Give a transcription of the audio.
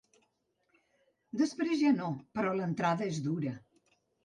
Després ja no, però l'entrada és dura.